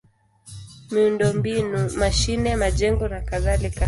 miundombinu: mashine, majengo nakadhalika.